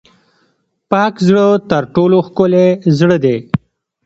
پاک زړه تر ټولو ښکلی زړه دی.